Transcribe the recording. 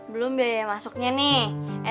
belum biaya masuknya nih